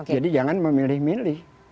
jadi jangan memilih milih